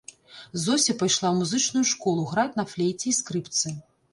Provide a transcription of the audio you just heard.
Зося пайшла ў музычную школу граць на флейце і скрыпцы.